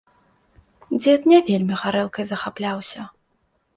Дзед не вельмі гарэлкай захапляўся.